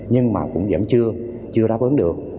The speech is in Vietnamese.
nhưng mà cũng vẫn chưa chưa đáp ứng được